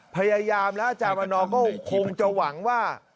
พยายามแล้วอาจารย์วันนอร์ก็คงจะหวังว่า